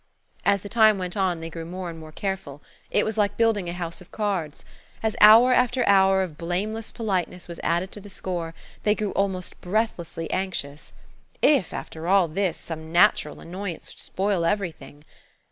As the time went on they grew more and more careful. It was like building a house of cards. As hour after hour of blameless politeness was added to the score, they grew almost breathlessly anxious. If, after all this, some natural annoyance should spoil everything!